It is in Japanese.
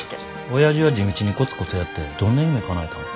おやじは地道にコツコツやってどんな夢かなえたん。